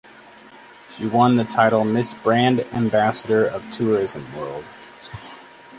She won the title Miss Brand Ambassador of Tourism World.